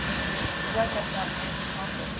A Dream! What have not dreams accomplished?